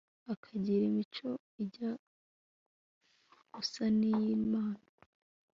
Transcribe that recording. akagira imico ijya usa n'iy'imana